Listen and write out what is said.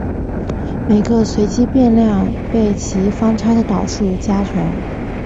每个随机变量被其方差的倒数加权。